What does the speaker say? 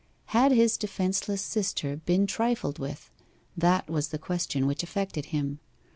Had his defenceless sister been trifled with? that was the question which affected him.